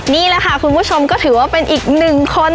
นี่ละคะคุณผู้ชมก็เป็นอีกหนึ่งคน